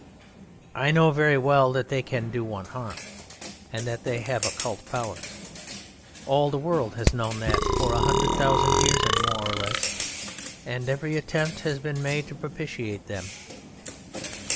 I know very well that They can do one harm, and that They have occult powers. All the world has known that for a hundred thousand years, more or less, and every attempt has been made to propitiate Them.